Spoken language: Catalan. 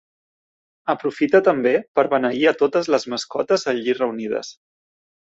Aprofita també per beneir a totes les mascotes allí reunides.